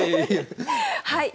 はい。